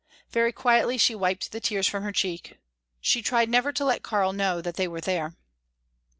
Very quietly she wiped the tears from her cheek. She tried never to let Karl know that they were there.